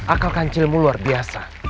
akal kancilmu luar biasa